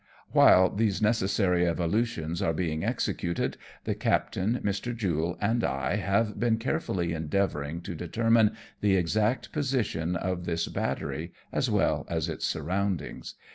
While these necessary evolutions are being executed, the captain, Mr. Jule and I have been carefully endeavouring to determine the exact position of this battery, as well as its surroundings.